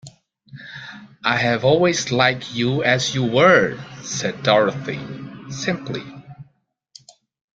"I have always liked you as you were," said Dorothy, simply.